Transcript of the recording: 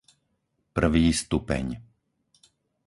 prvý stupeň